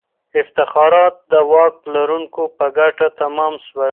افتخارات د واک لرونکو په ګټه تمام سول.